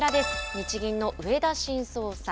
日銀の植田新総裁。